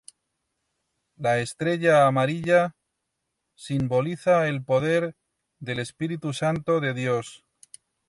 La estrella amarilla simboliza el poder del Espíritu Santo de Dios.